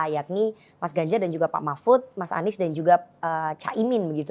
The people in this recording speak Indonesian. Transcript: yakni mas ganjar dan juga pak mahfud mas anies dan juga caimin begitu